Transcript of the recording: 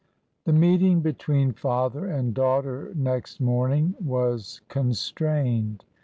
The meeting between father and daughter next morn ing was constrained.